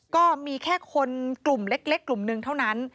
ก็มีแค่คนกลุ่มเล็กกลุ่มหนึ่งเท่านั้น